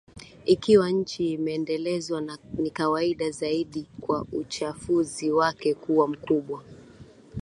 Ikiwa nchi imeendelezwa ni kawaida zaidi kwa uchafuzi wake kuwa mkubwa